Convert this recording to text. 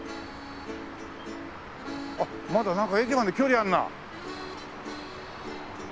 あっまだなんか駅まで距離あるな。